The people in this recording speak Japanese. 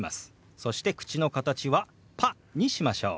そして口の形は「パ」にしましょう。